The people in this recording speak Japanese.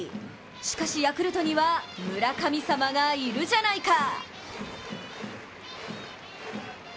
しかしヤクルトには村神様がいるじゃないか！